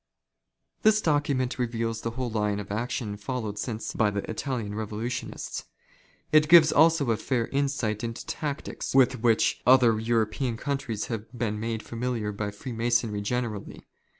This document reveals the whole line of action followed since by the Italian Revolutionists. It gives also a fair insight into tactics with which other European countries have been made familiar by Freemasonry generally.